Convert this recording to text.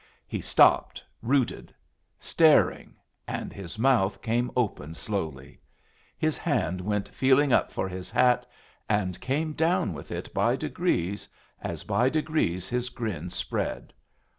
He stopped rooted, staring, and his mouth came open slowly; his hand went feeling up for his hat, and came down with it by degrees as by degrees his grin spread.